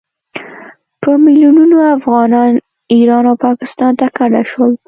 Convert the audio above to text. په میلونونو افغانان ایران او پاکستان ته کډه شول.